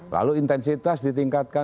lalu intensitas ditingkatkan